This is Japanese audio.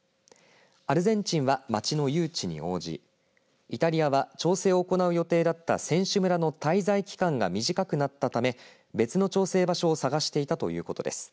アルゼンチンは町の誘致に応じイタリアは調整を行う予定だった選手村の滞在期間が短くなったため別の調整場所を探していたということです。